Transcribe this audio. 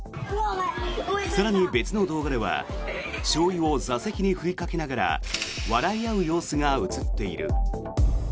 更に別の動画ではしょうゆを座席に振りかけながら笑い合う様子が映っている。